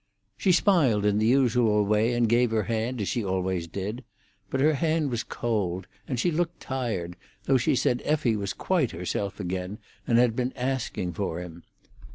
She smiled in the usual way, and gave her hand, as she always did; but her hand was cold, and she looked tired, though she said Effie was quite herself again, and had been asking for him.